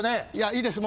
いいです